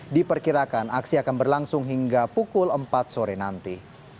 diperkirakan aksi akan berlangsung hingga pukul empat sore nanti